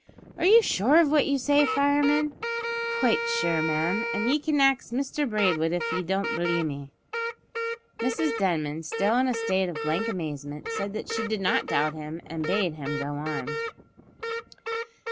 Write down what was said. "Are you sure of what you say, fireman?" "Quite sure, ma'am; ye can ax Mr Braidwood if ye don't b'lieve me." Mrs Denman, still in a state of blank amazement, said that she did not doubt him, and bade him go on.